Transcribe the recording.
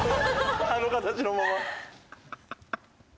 あの形のまま。